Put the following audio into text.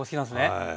はい。